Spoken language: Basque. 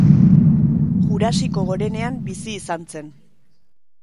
Jurasiko gorenean bizi izan zen.